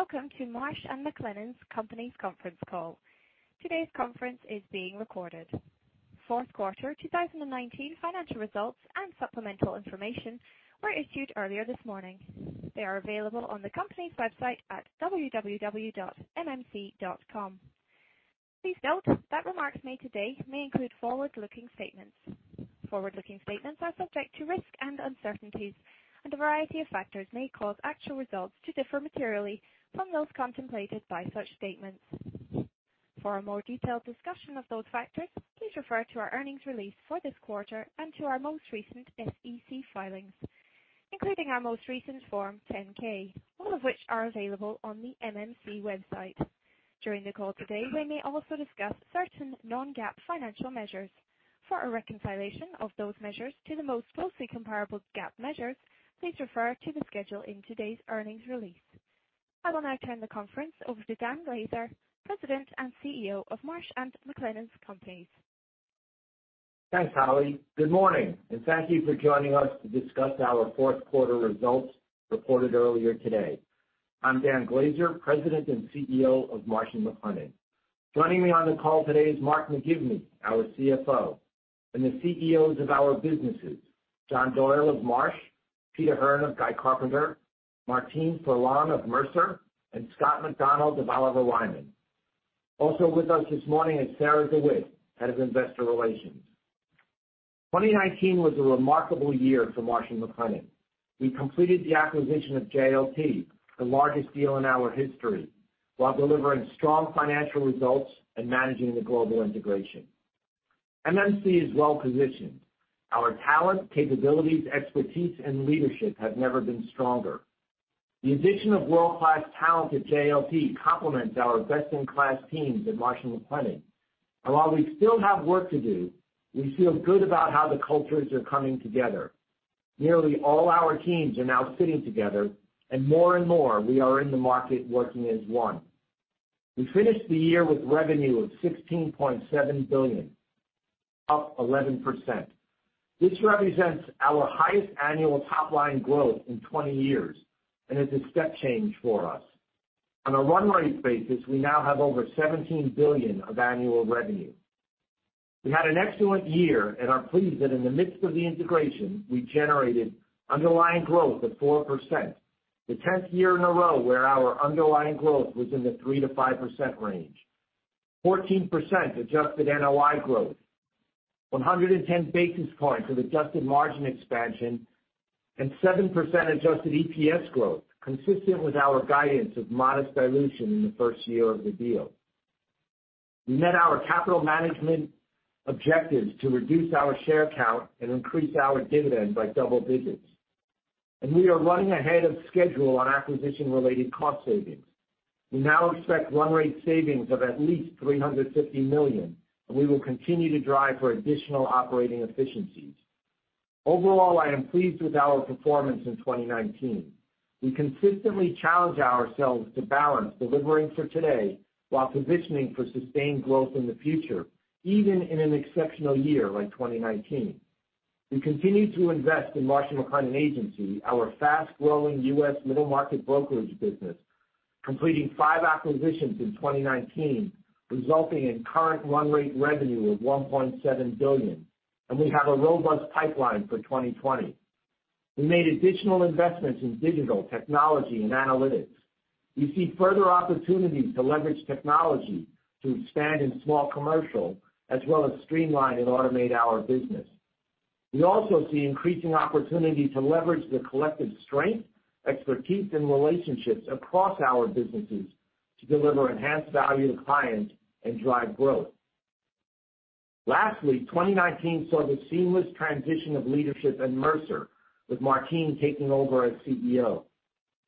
Welcome to Marsh & McLennan Companies' conference call. Today's conference is being recorded. Fourth quarter 2019 financial results and supplemental information were issued earlier this morning. They are available on the company's website at www.mmc.com. Please note that remarks made today may include forward-looking statements. Forward-looking statements are subject to risks and uncertainties, and a variety of factors may cause actual results to differ materially from those contemplated by such statements. For a more detailed discussion of those factors, please refer to our earnings release for this quarter and to our most recent SEC filings, including our most recent Form 10-K, all of which are available on the MMC website. During the call today, we may also discuss certain non-GAAP financial measures. For a reconciliation of those measures to the most closely comparable GAAP measures, please refer to the schedule in today's earnings release. I will now turn the conference over to Dan Glaser, President and CEO of Marsh & McLennan Companies. Thanks, Holly. Good morning, and thank you for joining us to discuss our fourth quarter results reported earlier today. I'm Dan Glaser, President and CEO of Marsh & McLennan. Joining me on the call today is Mark McGivney, our CFO, and the CEOs of our businesses, John Doyle of Marsh, Peter Hearn of Guy Carpenter, Martine Ferland of Mercer, and Scott McDonald of Oliver Wyman. Also with us this morning is Sarah DeWitt, head of investor relations. 2019 was a remarkable year for Marsh & McLennan. We completed the acquisition of JLT, the largest deal in our history, while delivering strong financial results and managing the global integration. MMC is well-positioned. Our talent, capabilities, expertise, and leadership have never been stronger. The addition of world-class talent at JLT complements our best-in-class teams at Marsh & McLennan. While we still have work to do, we feel good about how the cultures are coming together. Nearly all our teams are now sitting together, and more and more we are in the market working as one. We finished the year with revenue of $16.7 billion, up 11%. This represents our highest annual top-line growth in 20 years and is a step change for us. On a run rate basis, we now have over $17 billion of annual revenue. We had an excellent year and are pleased that in the midst of the integration, we generated underlying growth of 4%, the 10th year in a row where our underlying growth was in the 3%-5% range. 14% adjusted NOI growth, 110 basis points of adjusted margin expansion, and 7% adjusted EPS growth, consistent with our guidance of modest dilution in the first year of the deal. We met our capital management objectives to reduce our share count and increase our dividends by double digits. We are running ahead of schedule on acquisition-related cost savings. We now expect run rate savings of at least $350 million, and we will continue to drive for additional operating efficiencies. Overall, I am pleased with our performance in 2019. We consistently challenge ourselves to balance delivering for today while positioning for sustained growth in the future, even in an exceptional year like 2019. We continue to invest in Marsh & McLennan Agency, our fast-growing U.S. middle market brokerage business, completing five acquisitions in 2019, resulting in current run rate revenue of $1.7 billion, and we have a robust pipeline for 2020. We made additional investments in digital technology and analytics. We see further opportunities to leverage technology to expand in small commercial as well as streamline and automate our business. We also see increasing opportunity to leverage the collective strength, expertise, and relationships across our businesses to deliver enhanced value to clients and drive growth. Lastly, 2019 saw the seamless transition of leadership at Mercer, with Martine taking over as CEO.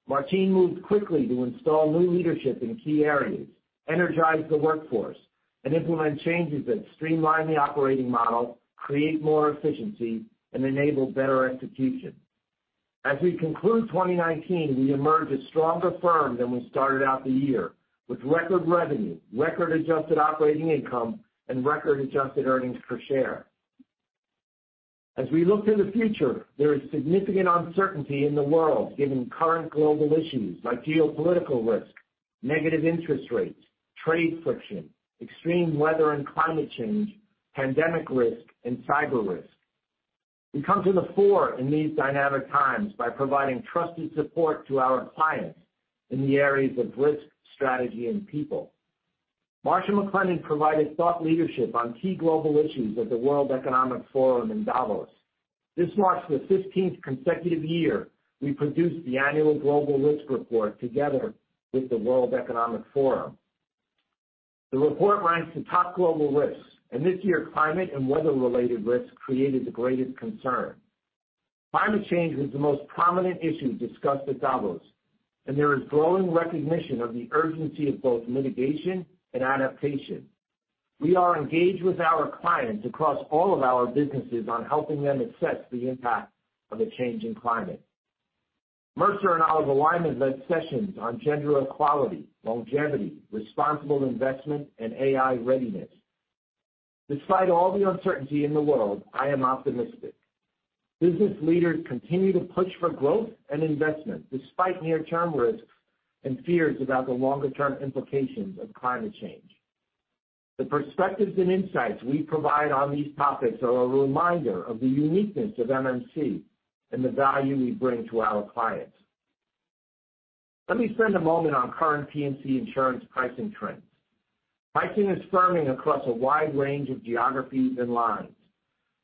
Martine moved quickly to install new leadership in key areas, energize the workforce, and implement changes that streamline the operating model, create more efficiency, and enable better execution. As we conclude 2019, we emerge a stronger firm than we started out the year, with record revenue, record adjusted operating income, and record adjusted earnings per share. As we look to the future, there is significant uncertainty in the world given current global issues like geopolitical risk, negative interest rates, trade friction, extreme weather and climate change, pandemic risk, and cyber risk. We come to the fore in these dynamic times by providing trusted support to our clients in the areas of risk, strategy, and people. Marsh & McLennan provided thought leadership on key global issues at the World Economic Forum in Davos. This marks the 15th consecutive year we produced the annual Global Risks Report together with the World Economic Forum. The report ranks the top global risks, and this year climate and weather-related risks created the greatest concern. Climate change was the most prominent issue discussed at Davos, and there is growing recognition of the urgency of both mitigation and adaptation. We are engaged with our clients across all of our businesses on helping them assess the impact of a changing climate. Mercer and Oliver Wyman led sessions on gender equality, longevity, responsible investment, and AI readiness. Despite all the uncertainty in the world, I am optimistic. Business leaders continue to push for growth and investment despite near-term risks and fears about the longer-term implications of climate change. The perspectives and insights we provide on these topics are a reminder of the uniqueness of MMC and the value we bring to our clients. Let me spend a moment on current P&C insurance pricing trends. Pricing is firming across a wide range of geographies and lines.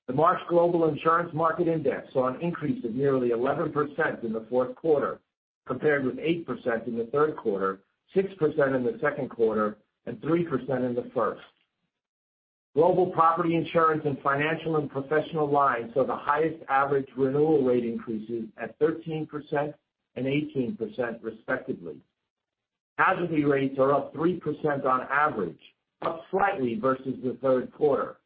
The Marsh Global Insurance Market Index saw an increase of nearly 11% in the fourth quarter, compared with 8% in the third quarter, 6% in the second quarter, and 3% in the first. Global property insurance and financial and professional lines saw the highest average renewal rate increases at 13% and 18% respectively. Casualty rates are up 3% on average, up slightly versus the third quarter.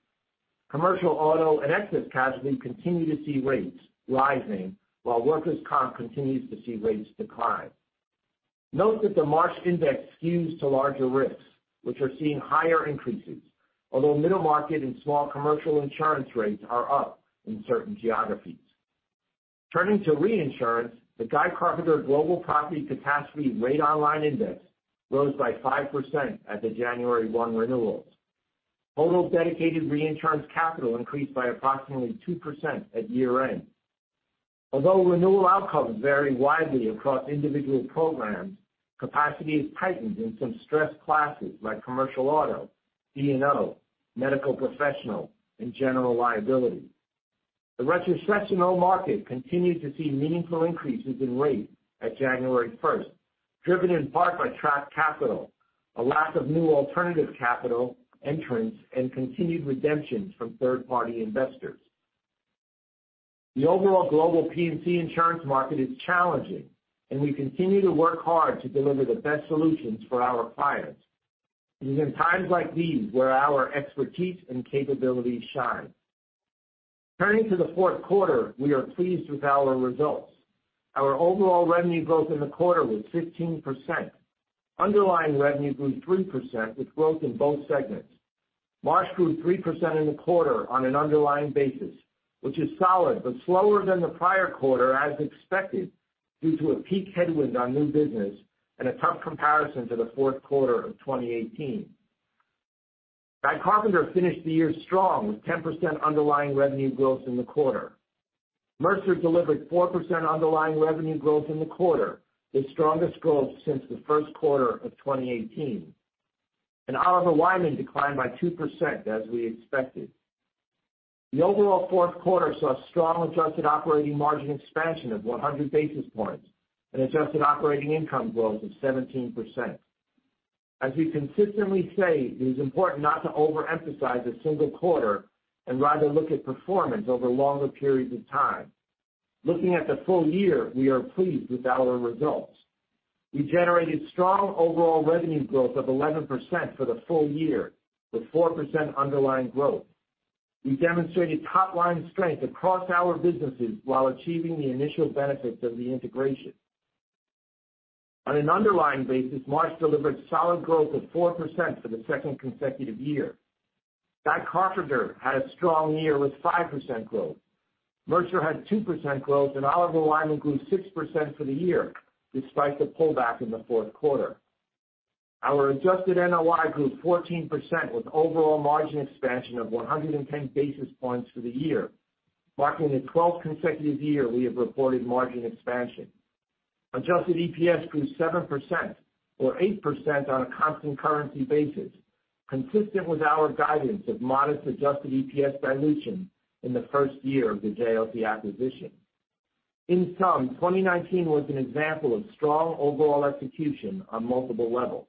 Commercial auto and excess casualty continue to see rates rising, while workers' comp continues to see rates decline. Note that the Marsh Index skews to larger risks, which are seeing higher increases. Although middle market and small commercial insurance rates are up in certain geographies. Turning to reinsurance, the Guy Carpenter Global Property Catastrophe Rate On Line Index rose by 5% at the January 1 renewals. Total dedicated reinsurance capital increased by approximately 2% at year-end. Although renewal outcomes vary widely across individual programs, capacity is tightened in some stressed classes like commercial auto, E&O, medical professional, and general liability. The retrocession market continues to see meaningful increases in rate at January 1st, driven in part by trapped capital, a lack of new alternative capital entrants, and continued redemptions from third-party investors. The overall global P&C insurance market is challenging, and we continue to work hard to deliver the best solutions for our clients. It is in times like these where our expertise and capabilities shine. Turning to the fourth quarter, we are pleased with our results. Our overall revenue growth in the quarter was 15%. Underlying revenue grew 3%, with growth in both segments. Marsh grew 3% in the quarter on an underlying basis, which is solid, but slower than the prior quarter as expected, due to a peak headwind on new business and a tough comparison to the fourth quarter of 2018. Guy Carpenter finished the year strong with 10% underlying revenue growth in the quarter. Mercer delivered 4% underlying revenue growth in the quarter, its strongest growth since the first quarter of 2018. Oliver Wyman declined by 2%, as we expected. The overall fourth quarter saw strong adjusted operating margin expansion of 100 basis points and adjusted operating income growth of 17%. As we consistently say, it is important not to overemphasize a single quarter and rather look at performance over longer periods of time. Looking at the full year, we are pleased with our results. We generated strong overall revenue growth of 11% for the full year, with 4% underlying growth. We demonstrated top-line strength across our businesses while achieving the initial benefits of the integration. On an underlying basis, Marsh delivered solid growth of 4% for the second consecutive year. Guy Carpenter had a strong year with 5% growth. Mercer had 2% growth, and Oliver Wyman grew 6% for the year, despite the pullback in the fourth quarter. Our adjusted NOI grew 14%, with overall margin expansion of 110 basis points for the year, marking the 12th consecutive year we have reported margin expansion. Adjusted EPS grew 7%, or 8% on a constant currency basis, consistent with our guidance of modest adjusted EPS dilution in the first year of the JLT acquisition. In sum, 2019 was an example of strong overall execution on multiple levels.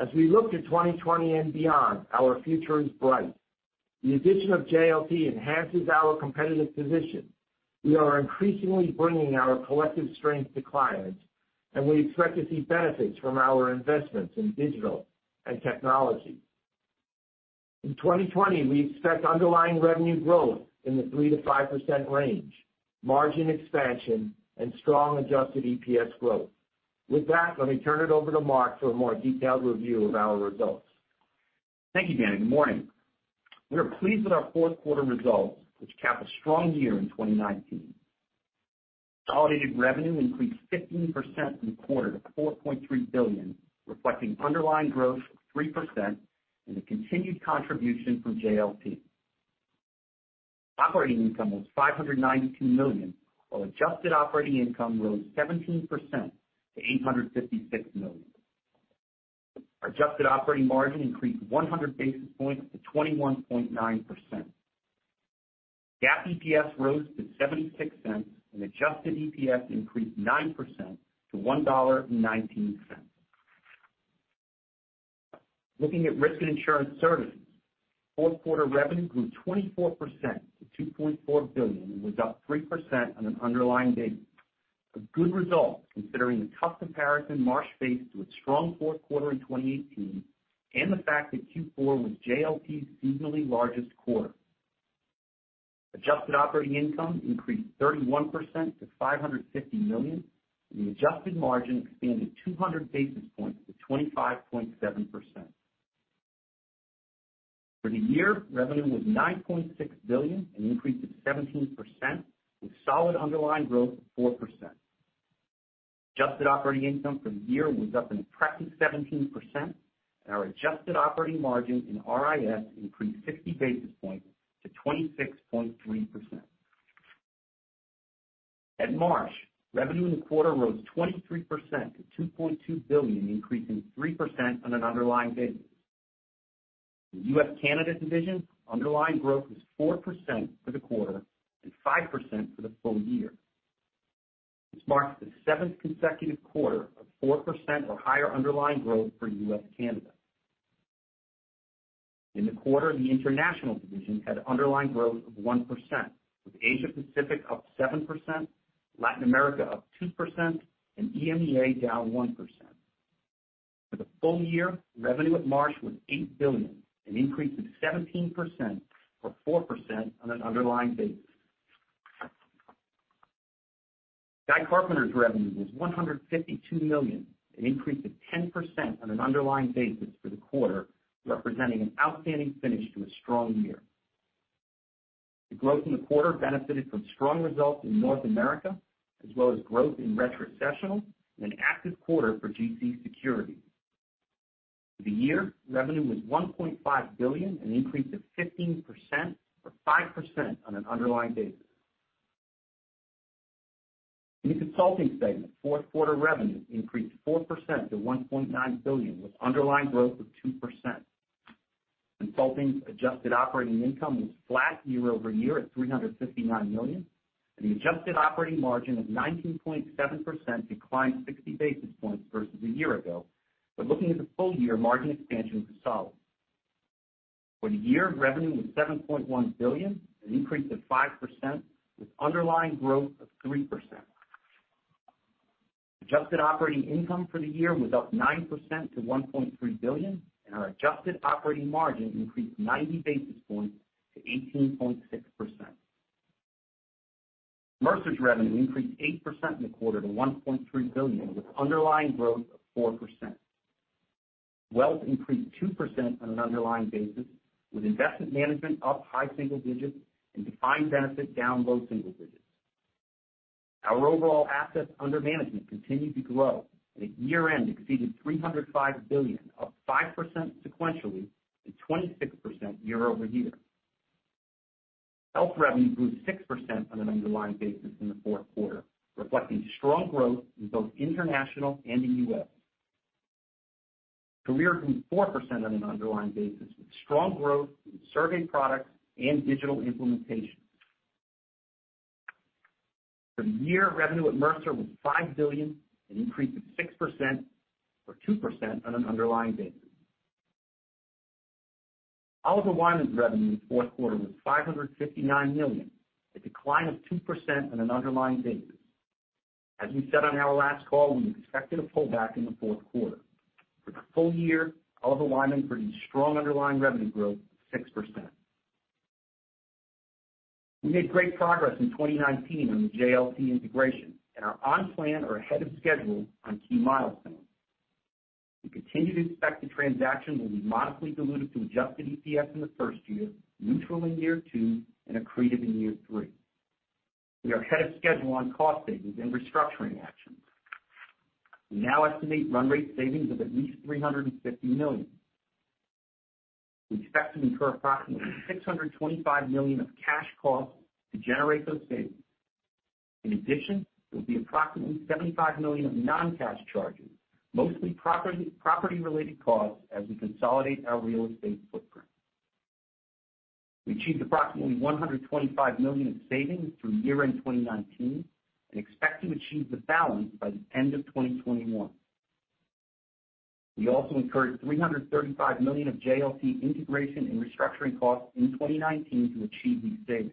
As we look to 2020 and beyond, our future is bright. The addition of JLT enhances our competitive position. We are increasingly bringing our collective strength to clients, and we expect to see benefits from our investments in digital and technology. In 2020, we expect underlying revenue growth in the 3%-5% range, margin expansion, and strong adjusted EPS growth. With that, let me turn it over to Mark for a more detailed review of our results. Thank you, Dan. Good morning. We are pleased with our fourth quarter results, which cap a strong year in 2019. Consolidated revenue increased 15% in the quarter to $4.3 billion, reflecting underlying growth of 3% and the continued contribution from JLT. Operating income was $592 million, while adjusted operating income rose 17% to $856 million. Our adjusted operating margin increased 100 basis points to 21.9%. GAAP EPS rose to $0.76, and adjusted EPS increased 9% to $1.19. Looking at Risk and Insurance Services, fourth quarter revenue grew 24% to $2.4 billion and was up 3% on an underlying basis. A good result considering the tough comparison Marsh faced with strong fourth quarter in 2018 and the fact that Q4 was JLT's seasonally largest quarter. Adjusted operating income increased 31% to $550 million, and the adjusted margin expanded 200 basis points to 25.7%. For the year, revenue was $9.6 billion, an increase of 17%, with solid underlying growth of 4%. Adjusted operating income for the year was up an impressive 17%, and our adjusted operating margin in RIS increased 60 basis points to 26.3%. At Marsh, revenue in the quarter rose 23% to $2.2 billion, increasing 3% on an underlying basis. In U.S. Canada division, underlying growth was 4% for the quarter and 5% for the full year. This marks the seventh consecutive quarter of 4% or higher underlying growth for U.S. Canada. In the quarter, the international division had underlying growth of 1%, with Asia Pacific up 7%, Latin America up 2%, and EMEA down 1%. For the full year, revenue at Marsh was $8 billion, an increase of 17% or 4% on an underlying basis. Guy Carpenter's revenue was $152 million, an increase of 10% on an underlying basis for the quarter, representing an outstanding finish to a strong year. The growth in the quarter benefited from strong results in North America, as well as growth in retrocessional and an active quarter for GC Securities. For the year, revenue was $1.5 billion, an increase of 15% or 5% on an underlying basis. In the Consulting segment, fourth quarter revenue increased 4% to $1.9 billion, with underlying growth of 2%. Consulting's adjusted operating income was flat year-over-year at $359 million, and the adjusted operating margin of 19.7% declined 60 basis points versus a year ago. Looking at the full year, margin expansion was solid. For the year, revenue was $7.1 billion, an increase of 5%, with underlying growth of 3%. Adjusted operating income for the year was up 9% to $1.3 billion, and our adjusted operating margin increased 90 basis points to 18.6%. Mercer's revenue increased 8% in the quarter to $1.3 billion, with underlying growth of 4%. Wealth increased 2% on an underlying basis, with investment management up high single digits and defined benefit down low single digits. Our overall assets under management continued to grow and at year-end exceeded $305 billion, up 5% sequentially and 26% year-over-year. Health revenue grew 6% on an underlying basis in the fourth quarter, reflecting strong growth in both international and the U.S. Career grew 4% on an underlying basis, with strong growth in survey products and digital implementation. For the year, revenue at Mercer was $5 billion, an increase of 6% or 2% on an underlying basis. Oliver Wyman's revenue in the fourth quarter was $559 million, a decline of 2% on an underlying basis. As we said on our last call, we expected a pullback in the fourth quarter. For the full year, Oliver Wyman produced strong underlying revenue growth of 6%. We made great progress in 2019 on the JLT integration and are on plan or ahead of schedule on key milestones. We continue to expect the transaction will be modestly dilutive to adjusted EPS in the first year, neutral in year two, and accretive in year three. We are ahead of schedule on cost savings and restructuring actions. We now estimate run rate savings of at least $350 million. We expect to incur approximately $625 million of cash costs to generate those savings. In addition, there will be approximately $75 million of non-cash charges, mostly property-related costs, as we consolidate our real estate footprint. We achieved approximately $125 million in savings through year-end 2019 and expect to achieve the balance by the end of 2021. We also incurred $335 million of JLT integration and restructuring costs in 2019 to achieve these savings.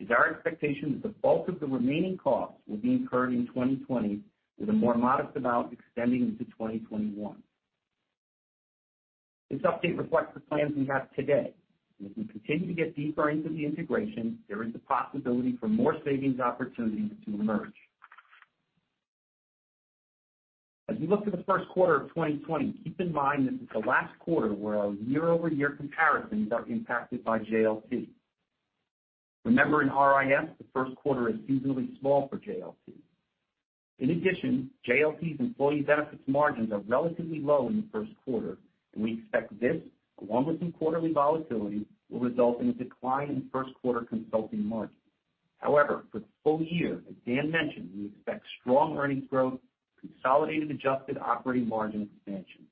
It is our expectation that the bulk of the remaining costs will be incurred in 2020, with a more modest amount extending into 2021. This update reflects the plans we have today. As we continue to get deeper into the integration, there is the possibility for more savings opportunities to emerge. As we look to the first quarter of 2020, keep in mind this is the last quarter where our year-over-year comparisons are impacted by JLT. Remember, in RIS, the first quarter is seasonally small for JLT. In addition, JLT's employee benefits margins are relatively low in the first quarter, and we expect this, along with some quarterly volatility, will result in a decline in first-quarter consulting margin. However, for the full year, as Dan mentioned, we expect strong earnings growth and consolidated adjusted operating margin expansion.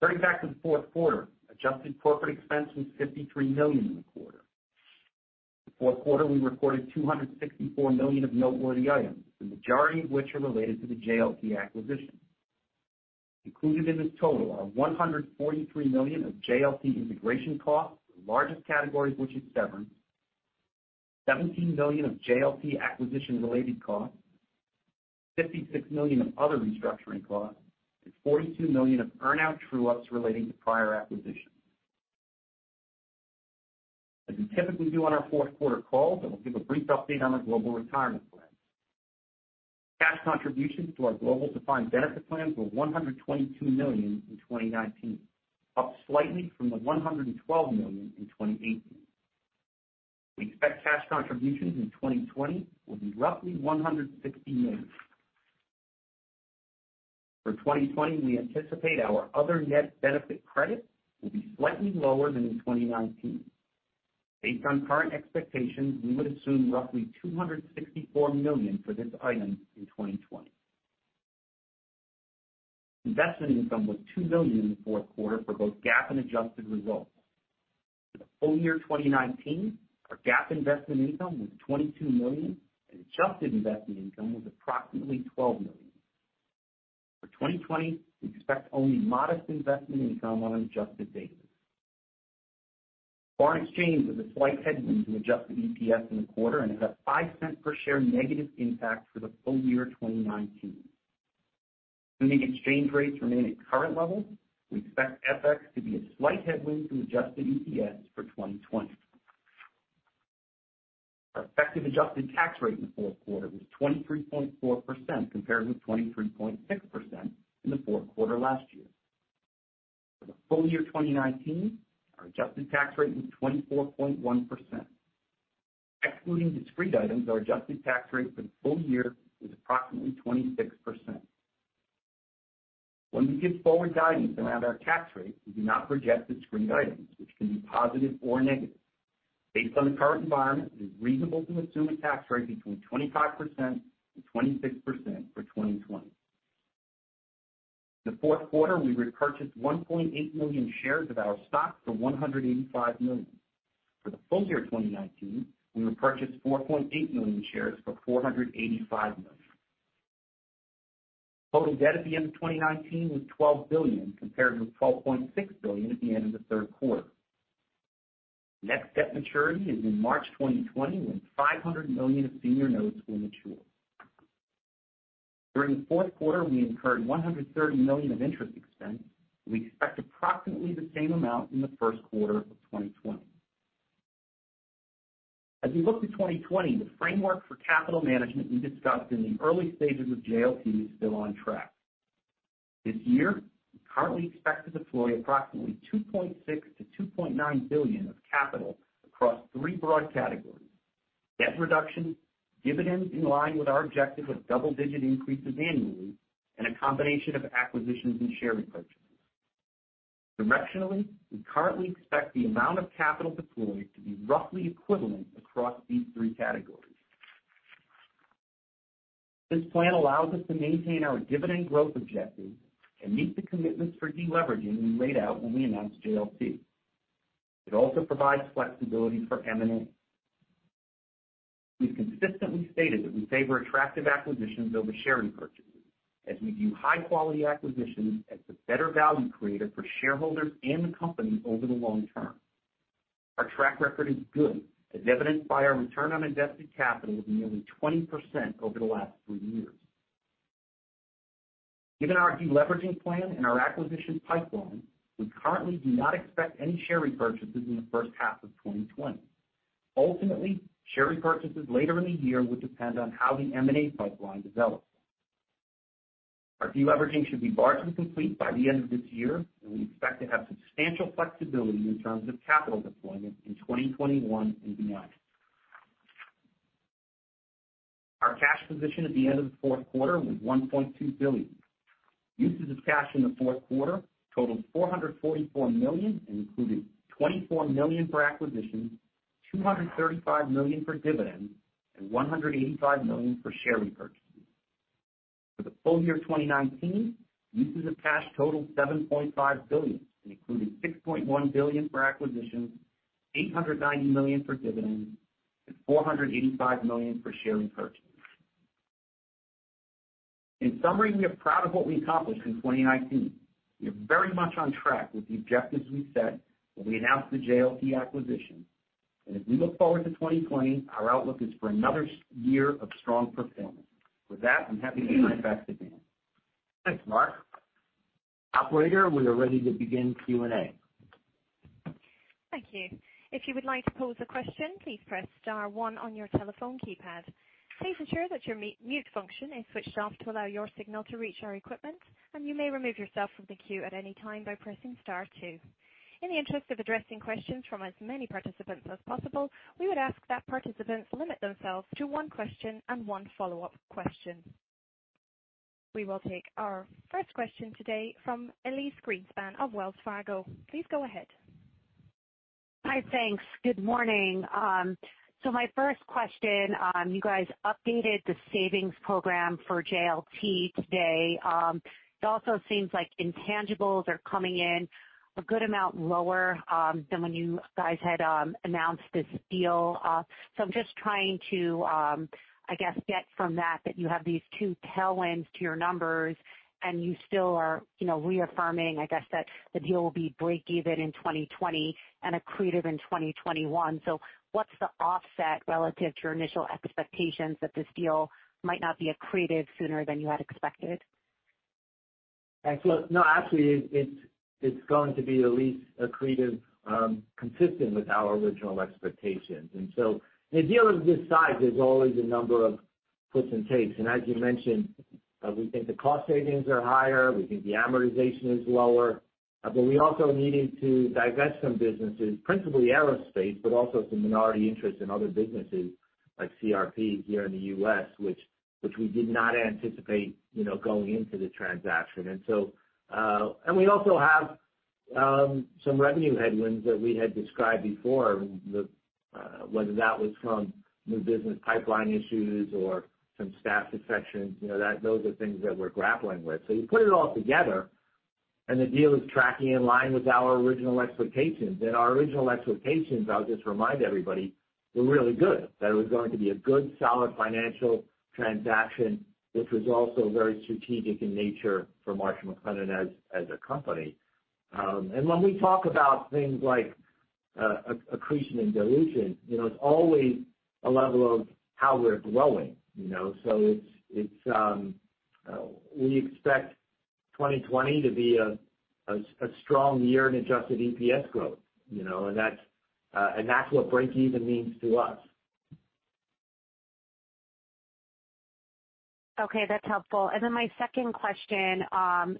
Turning back to the fourth quarter, adjusted corporate expense was $53 million in the quarter. In the fourth quarter, we recorded $264 million of noteworthy items, the majority of which are related to the JLT acquisition. Included in this total are $143 million of JLT integration costs, the largest category of which is severance. $17 million of JLT acquisition-related costs, $56 million of other restructuring costs, and $42 million of earn-out true-ups relating to prior acquisitions. As we typically do on our fourth quarter calls, I will give a brief update on our global retirement plan. Cash contributions to our global defined benefit plan were $122 million in 2019, up slightly from the $112 million in 2018. We expect cash contributions in 2020 will be roughly $116 million. For 2020, we anticipate our other net benefit credit will be slightly lower than in 2019. Based on current expectations, we would assume roughly $264 million for this item in 2020. Investment income was $2 million in the fourth quarter for both GAAP and adjusted results. For the full year 2019, our GAAP investment income was $22 million and adjusted investment income was approximately $12 million. For 2020, we expect only modest investment income on an adjusted basis. Foreign exchange was a slight headwind to adjusted EPS in the quarter and had a $0.05 per share negative impact for the full year 2019. Assuming exchange rates remain at current levels, we expect FX to be a slight headwind to adjusted EPS for 2020. Our effective adjusted tax rate in the fourth quarter was 23.4%, compared with 23.6% in the fourth quarter last year. For the full year 2019, our adjusted tax rate was 24.1%. Excluding discrete items, our adjusted tax rate for the full year was approximately 26%. When we give forward guidance around our tax rate, we do not project discrete items, which can be positive or negative. Based on the current environment, it is reasonable to assume a tax rate between 25% and 26% for 2020. In the fourth quarter, we repurchased 1.8 million shares of our stock for $185 million. For the full year 2019, we repurchased 4.8 million shares for $485 million. Total debt at the end of 2019 was $12 billion, compared with $12.6 billion at the end of the third quarter. Next debt maturity is in March 2020, when $500 million of senior notes will mature. During the fourth quarter, we incurred $130 million of interest expense, and we expect approximately the same amount in the first quarter of 2020. As we look to 2020, the framework for capital management we discussed in the early stages of JLT is still on track. This year, we currently expect to deploy approximately $2.6 billion-$2.9 billion of capital across three broad categories: debt reduction, dividends in line with our objective of double-digit increases annually, and a combination of acquisitions and share repurchases. Directionally, we currently expect the amount of capital deployed to be roughly equivalent across these three categories. This plan allows us to maintain our dividend growth objectives and meet the commitments for de-leveraging we laid out when we announced JLT. It also provides flexibility for M&A. We've consistently stated that we favor attractive acquisitions over share repurchases, as we view high-quality acquisitions as the better value creator for shareholders and the company over the long term. Our track record is good, as evidenced by our return on invested capital of nearly 20% over the last three years. Given our de-leveraging plan and our acquisition pipeline, we currently do not expect any share repurchases in the first half of 2020. Ultimately, share repurchases later in the year would depend on how the M&A pipeline develops. Our de-leveraging should be largely complete by the end of this year, and we expect to have substantial flexibility in terms of capital deployment in 2021 and beyond. Our cash position at the end of the fourth quarter was $1.2 billion. Uses of cash in the fourth quarter totaled $444 million and included $24 million for acquisitions, $235 million for dividends, and $185 million for share repurchases. For the full year 2019, uses of cash totaled $7.5 billion and included $6.1 billion for acquisitions, $890 million for dividends, and $485 million for share repurchases. In summary, we are proud of what we accomplished in 2019. We are very much on track with the objectives we set when we announced the JLT acquisition. As we look forward to 2020, our outlook is for another year of strong performance. With that, I'm happy to turn it back to Dan. Thanks, Mark. Operator, we are ready to begin Q&A. Thank you. If you would like to pose a question, please press *1 on your telephone keypad. Please ensure that your mute function is switched off to allow your signal to reach our equipment, and you may remove yourself from the queue at any time by pressing *2. In the interest of addressing questions from as many participants as possible, we would ask that participants limit themselves to one question and one follow-up question. We will take our first question today from Elyse Greenspan of Wells Fargo. Please go ahead. Hi, thanks. Good morning. My first question, you guys updated the savings program for JLT today. It also seems like intangibles are coming in a good amount lower than when you guys had announced this deal. I'm just trying to, I guess, get from that you have these two tailwinds to your numbers and you still are reaffirming, I guess, that the deal will be breakeven in 2020 and accretive in 2021. What's the offset relative to your initial expectations that this deal might not be accretive sooner than you had expected? Excellent. No, actually, it's going to be the least accretive, consistent with our original expectations. In a deal of this size, there's always a number of gives and takes. As you mentioned, we think the cost savings are higher, we think the amortization is lower, but we also are needing to divest some businesses, principally aerospace, but also some minority interests in other businesses like CRP here in the U.S., which we did not anticipate going into the transaction. We also have some revenue headwinds that we had described before, whether that was from new business pipeline issues or some staff defections. Those are things that we're grappling with. You put it all together, and the deal is tracking in line with our original expectations. Our original expectations, I'll just remind everybody, were really good. That it was going to be a good, solid financial transaction, which was also very strategic in nature for Marsh & McLennan as a company. When we talk about things like accretion and dilution, it's always a level of how we're growing. We expect 2020 to be a strong year in adjusted EPS growth, and that's what breakeven means to us. Okay, that's helpful. My second question. On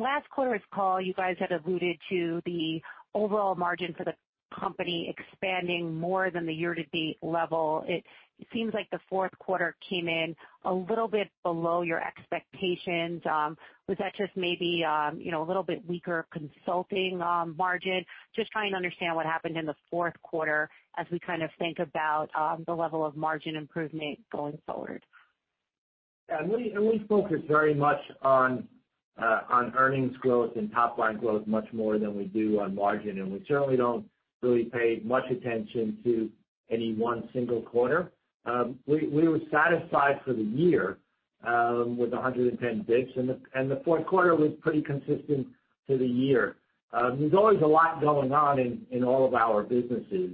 last quarter's call, you guys had alluded to the overall margin for the company expanding more than the year-to-date level. It seems like the fourth quarter came in a little bit below your expectations. Was that just maybe a little bit weaker consulting on margin? Just trying to understand what happened in the fourth quarter as we think about the level of margin improvement going forward. Yeah. We focus very much on earnings growth and top line growth much more than we do on margin, and we certainly don't really pay much attention to any one single quarter. We were satisfied for the year with 110 basis points, and the fourth quarter was pretty consistent for the year. There's always a lot going on in all of our businesses.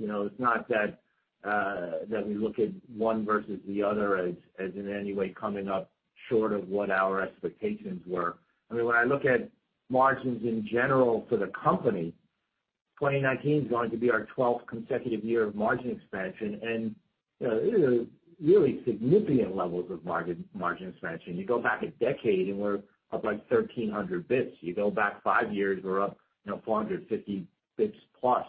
It's not that we look at one versus the other as in any way coming up short of what our expectations were. When I look at margins in general for the company, 2019 is going to be our 12th consecutive year of margin expansion, and these are really significant levels of margin expansion. You go back a decade, and we're up like 1,300 basis points. You go back five years, we're up 450 basis points plus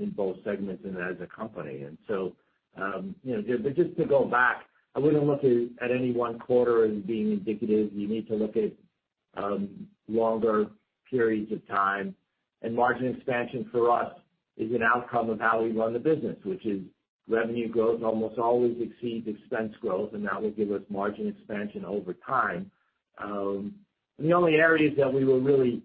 in both segments and as a company. Just to go back, I wouldn't look at any one quarter as being indicative. You need to look at longer periods of time. Margin expansion for us is an outcome of how we run the business, which is revenue growth almost always exceeds expense growth, and that will give us margin expansion over time. The only areas that we were really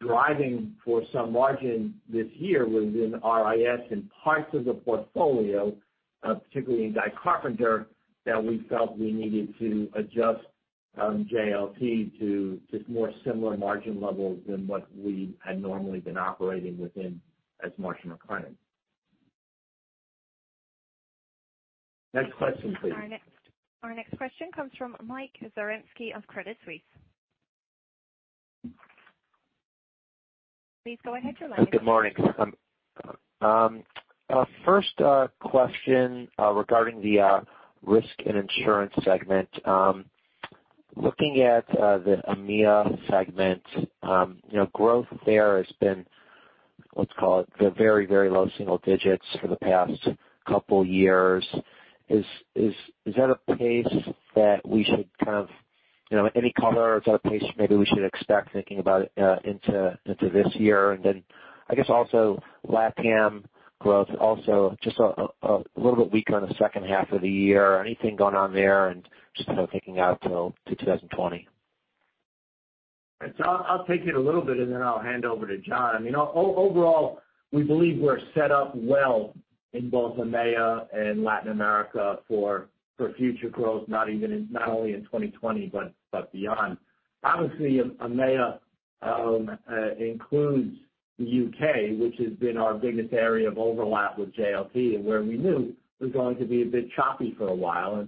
driving for some margin this year was in RIS and parts of the portfolio, particularly in Guy Carpenter, that we felt we needed to adjust JLT to more similar margin levels than what we had normally been operating within as Marsh & McLennan. Next question, please. Our next question comes from Mike Zaremski of Credit Suisse. Please go ahead, your line is open. Good morning. First question regarding the risk and insurance segment. Looking at the EMEA segment, growth there has been, let's call it, the very, very low single digits for the past couple years. Is that a pace that we should have any color? Is that a pace maybe we should expect thinking about into this year? I guess also Latin growth also just a little bit weaker in the second half of the year. Anything going on there and just kind of thinking out till 2020? I'll take it a little bit, and then I'll hand over to John. Overall, we believe we're set up well in both EMEA and Latin America for future growth, not only in 2020 but beyond. Obviously, EMEA includes the U.K., which has been our biggest area of overlap with JLT, and where we knew was going to be a bit choppy for a while.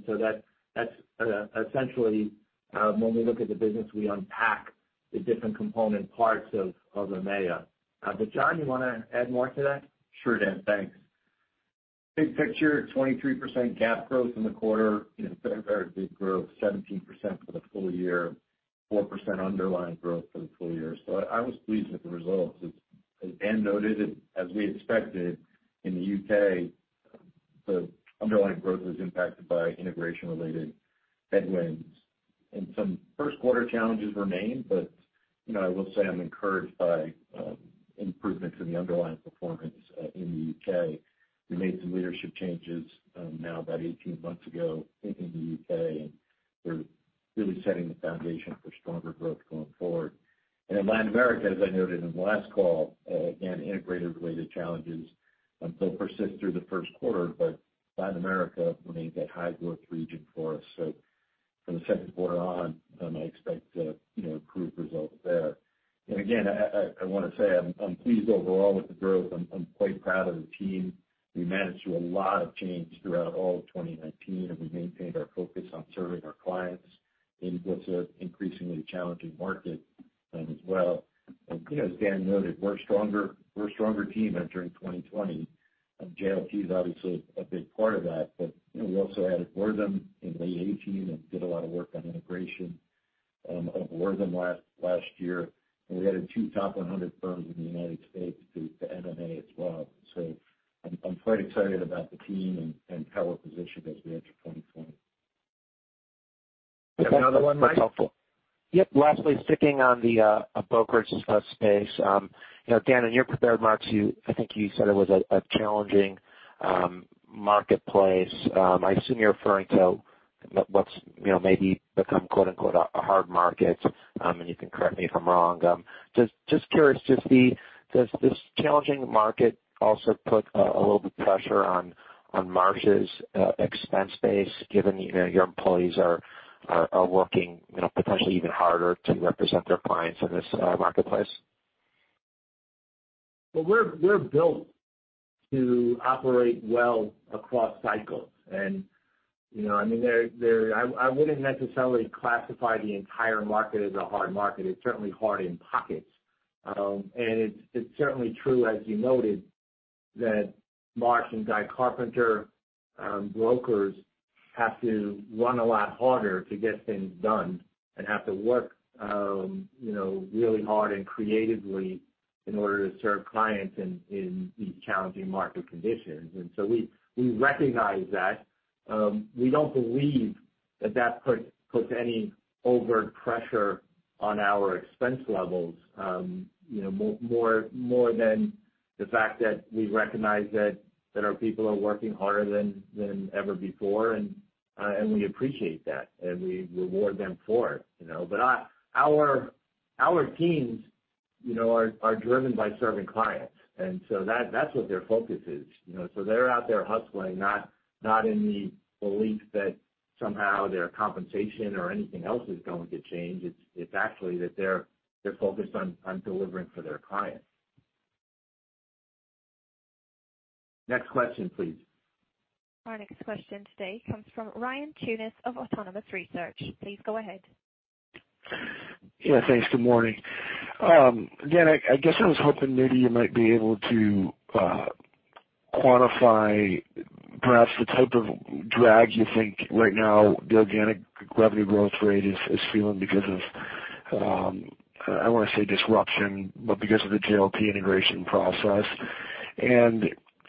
That's essentially when we look at the business, we unpack the different component parts of EMEA. John, you want to add more to that? Sure, Dan. Thanks. Big picture, 23% GAAP growth in the quarter. Very, very big growth, 17% for the full year, 4% underlying growth for the full year. I was pleased with the results. As Dan noted, as we expected in the U.K., the underlying growth was impacted by integration-related headwinds. Some first quarter challenges remain, but I will say I'm encouraged by improvements in the underlying performance in the U.K. We made some leadership changes now about 18 months ago in the U.K., and we're really setting the foundation for stronger growth going forward. In Latin America, as I noted in the last call, again, integrator-related challenges still persist through the first quarter, but Latin America remains a high-growth region for us. From the second quarter on, I expect improved results. Again, I want to say I'm pleased overall with the growth. I'm quite proud of the team. We managed through a lot of change throughout all of 2019, we maintained our focus on serving our clients in what's an increasingly challenging market as well. As Dan noted, we're a stronger team entering 2020, and JLT is obviously a big part of that. We also added Wortham in late 2018 and did a lot of work on integration of Wortham last year. We added 2 top 100 firms in the U.S. to M&A as well. I'm quite excited about the team and how we're positioned as we enter 2020. You have another one, Mike? That's helpful. Yep. Lastly, sticking on the brokerage space. Dan, in your prepared remarks, I think you said it was a challenging marketplace. I assume you're referring to what's maybe become quote unquote, "A hard market," and you can correct me if I'm wrong. Just curious to see, does this challenging market also put a little bit pressure on Marsh's expense base, given your employees are working potentially even harder to represent their clients in this marketplace? Well, we're built to operate well across cycles. I wouldn't necessarily classify the entire market as a hard market. It's certainly hard in pockets. It's certainly true, as you noted, that Marsh & Guy Carpenter brokers have to run a lot harder to get things done and have to work really hard and creatively in order to serve clients in these challenging market conditions. We recognize that. We don't believe that puts any overt pressure on our expense levels, more than the fact that we recognize that our people are working harder than ever before, and we appreciate that, and we reward them for it. Our teams are driven by serving clients, and so that's what their focus is. They're out there hustling, not in the belief that somehow their compensation or anything else is going to change. It's actually that they're focused on delivering for their clients. Next question, please. Our next question today comes from Ryan Tunis of Autonomous Research. Please go ahead. Yeah, thanks. Good morning. Dan, I guess I was hoping maybe you might be able to quantify perhaps the type of drag you think right now the organic revenue growth rate is feeling because of, I don't want to say disruption, but because of the JLT integration process.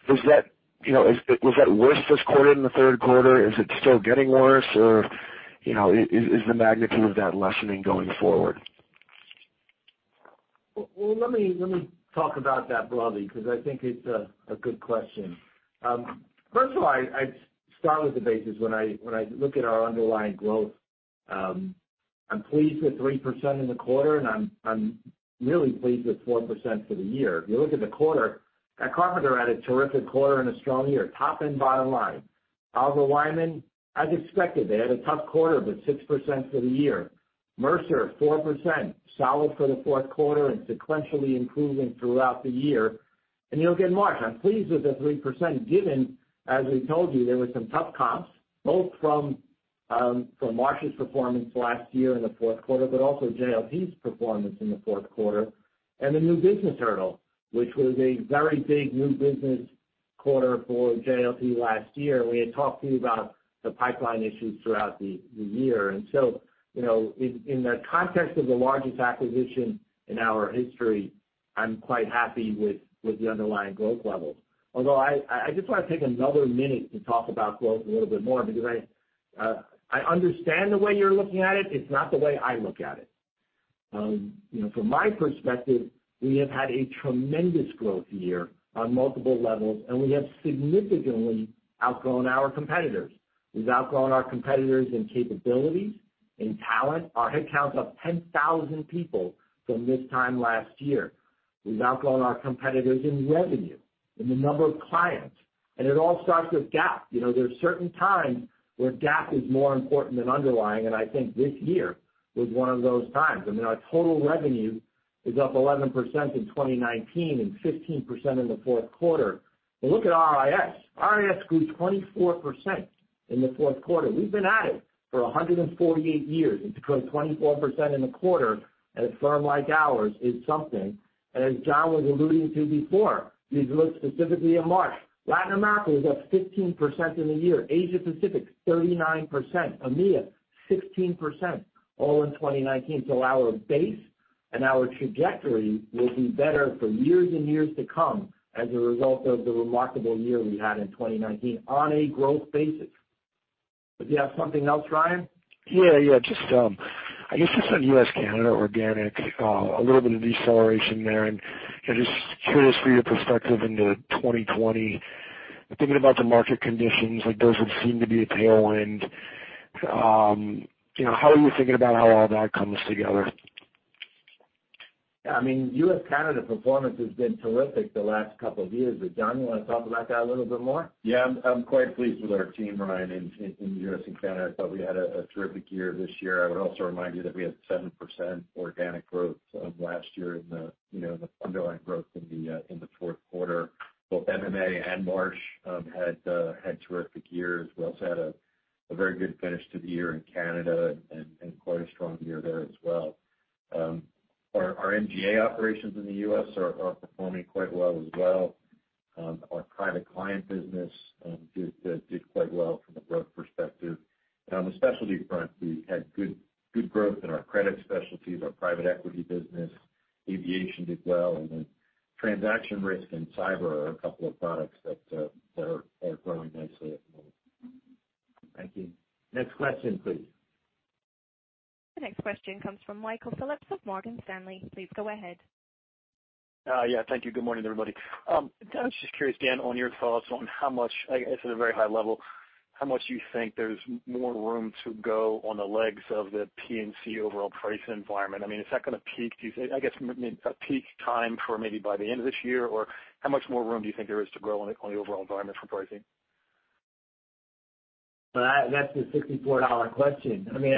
Was that worse this quarter, in the third quarter? Is it still getting worse, or is the magnitude of that lessening going forward? Well, let me talk about that broadly, because I think it's a good question. First of all, I'd start with the basis. When I look at our underlying growth, I'm pleased with 3% in the quarter, and I'm really pleased with 4% for the year. If you look at the quarter, Guy Carpenter had a terrific quarter and a strong year, top and bottom line. Oliver Wyman, as expected, they had a tough quarter, but 6% for the year. Mercer, 4%, solid for the fourth quarter and sequentially improving throughout the year. You look at Marsh, I'm pleased with the 3%, given, as we told you, there were some tough comps, both from Marsh's performance last year in the fourth quarter, but also JLT's performance in the fourth quarter, and the new business hurdle, which was a very big new business quarter for JLT last year. We had talked to you about the pipeline issues throughout the year. In the context of the largest acquisition in our history, I'm quite happy with the underlying growth levels. Although, I just want to take another minute to talk about growth a little bit more because I understand the way you're looking at it. It's not the way I look at it. From my perspective, we have had a tremendous growth year on multiple levels, and we have significantly outgrown our competitors. We've outgrown our competitors in capabilities, in talent. Our head count's up 10,000 people from this time last year. We've outgrown our competitors in revenue, in the number of clients, and it all starts with GAAP. There are certain times where GAAP is more important than underlying, and I think this year was one of those times. I mean, our total revenue is up 11% in 2019 and 15% in the fourth quarter. Look at RIS. RIS grew 24% in the fourth quarter. We've been at it for 148 years, and to grow 24% in a quarter at a firm like ours is something. As John was alluding to before, you look specifically at Marsh. Latin America is up 15% in the year. Asia Pacific, 39%. EMEA, 16%, all in 2019. Our base and our trajectory will be better for years and years to come as a result of the remarkable year we had in 2019 on a growth basis. Did you have something else, Ryan? Yeah. Just on U.S.-Canada organic, a little bit of deceleration there, just curious for your perspective into 2020. Thinking about the market conditions, like does it seem to be a tailwind? How are you thinking about how all that comes together? Yeah, U.S.-Canada performance has been terrific the last couple of years. John, you want to talk about that a little bit more? Yeah. I'm quite pleased with our team, Ryan, in U.S. and Canada. I thought we had a terrific year this year. I would also remind you that we had 7% organic growth last year in the underlying growth in the fourth quarter. Both MMA and Marsh had terrific years. We also had a very good finish to the year in Canada and quite a strong year there as well. Our [NGA] operations in the U.S. are performing quite well as well. Our private client business did quite well from a growth perspective. On the specialty front, we had good growth in our credit specialties, our private equity business, aviation did well, transaction risk and cyber are a couple of products that are growing nicely at the moment. Thank you. Next question, please. The next question comes from Michael Phillips of Morgan Stanley. Please go ahead. Yeah, thank you. Good morning, everybody. I was just curious, Dan, on your thoughts on how much, I guess on a very high level, how much you think there's more room to go on the legs of the P&C overall pricing environment? I mean, is that going to peak, do you think? I guess maybe a peak time for maybe by the end of this year, or how much more room do you think there is to grow on the overall environment for pricing? Well, that's the $64 question. I mean,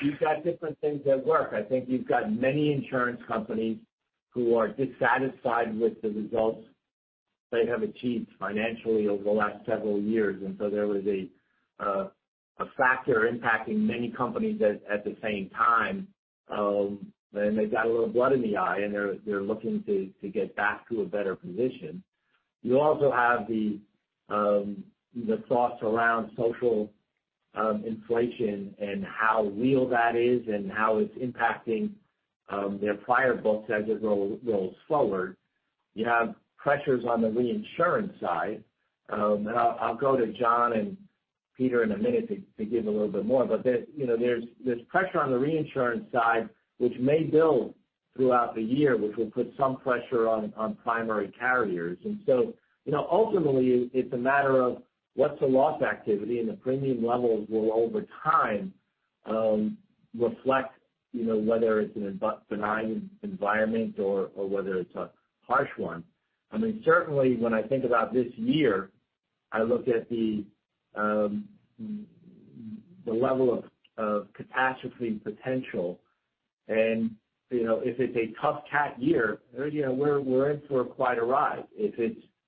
you've got different things at work. I think you've got many insurance companies who are dissatisfied with the results they have achieved financially over the last several years, so there was a factor impacting many companies at the same time. They've got a little blood in the eye, and they're looking to get back to a better position. You also have the thoughts around social inflation and how real that is and how it's impacting their firebooks as it rolls forward. You have pressures on the reinsurance side. I'll go to John and Peter in a minute to give a little bit more, but there's pressure on the reinsurance side which may build throughout the year, which will put some pressure on primary carriers. Ultimately, it's a matter of what's the loss activity and the premium levels will, over time, reflect whether it's a benign environment or whether it's a harsh one. I mean, certainly when I think about this year, I look at the level of catastrophe potential. If it's a tough cat year, we're in for quite a ride.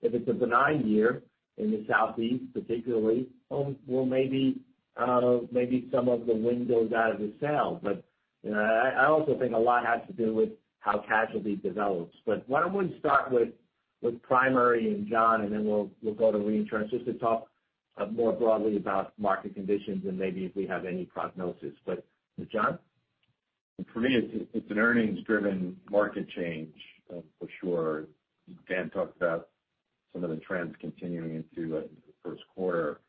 If it's a benign year in the Southeast particularly, well, maybe some of the wind goes out of the sails. I also think a lot has to do with how casualty develops. Why don't we start with primary and John, and then we'll go to reinsurance, just to talk more broadly about market conditions and maybe if we have any prognosis. John? For me, it's an earnings-driven market change for sure. Dan talked about some of the trends continuing into the first quarter.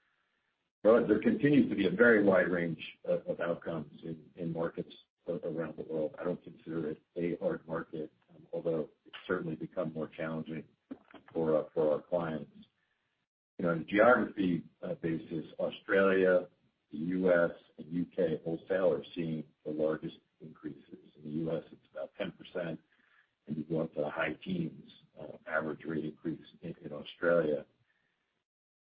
There continues to be a very wide range of outcomes in markets around the world. I don't consider it a hard market, although it's certainly become more challenging for our clients. On a geography basis, Australia, the U.S., and U.K. wholesale are seeing the largest increases. In the U.S., it's about 10%, and you go up to the high teens on average rate increase in Australia.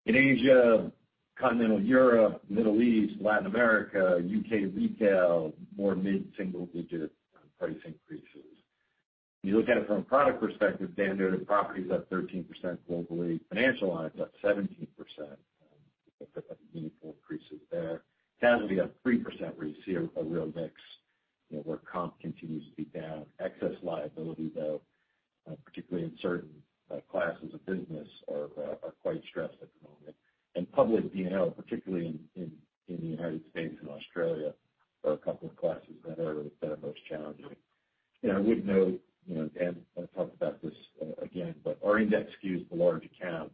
In Asia, Continental Europe, Middle East, Latin America, U.K. retail, more mid-single digit price increases. You look at it from a product perspective, Dan noted property's up 13% globally, financial line's up 17%. Significant increases there. Casualty up 3%, where you see a real mix, where comp continues to be down. Excess liability, though, particularly in certain classes of business, are quite stressed at the moment. Public D&O, particularly in the United States and Australia, are a couple of classes that are the most challenging. I would note, Dan talked about this again, our index skews the large accounts.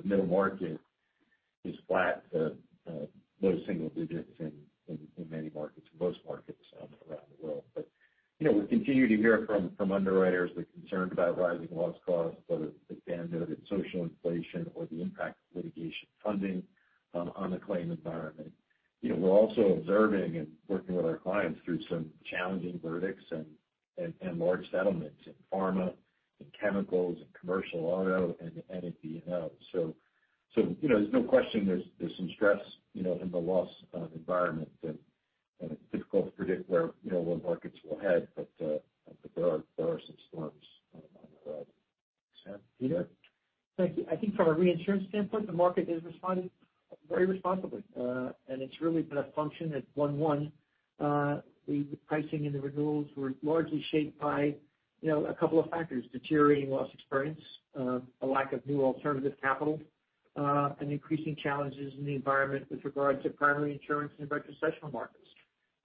The middle market is flat to low single digits in many markets, in most markets around the world. We continue to hear from underwriters the concern about rising loss costs, whether, as Dan noted, social inflation or the impact of litigation funding on the claim environment. We're also observing and working with our clients through some challenging verdicts and large settlements in pharma, in chemicals, in commercial auto, and in D&O. There's no question there's some stress in the loss environment, and it's difficult to predict where markets will head. There are some storms on the horizon. [Sam], Peter? Thank you. I think from a reinsurance standpoint, the market is responding very responsibly. It's really been a function at one-one. The pricing and the renewals were largely shaped by a couple of factors, deteriorating loss experience, a lack of new alternative capital, and increasing challenges in the environment with regard to primary insurance and retrocessional markets.